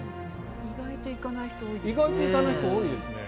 意外と行かない人多いですね。